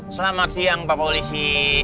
selamat siang pak polisi